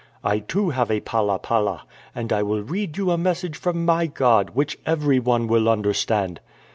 I too have a pala pala, and I will read you a message from mij God, which every one will understand."